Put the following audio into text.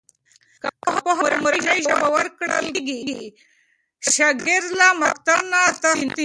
که پوهه په مورنۍ ژبه ورکول کېږي، شاګرد له مکتب نه تښتي نه.